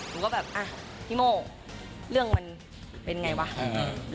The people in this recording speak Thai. ผมก็แบบพี่โม่เรื่องมันเป็นอย่างไรวะ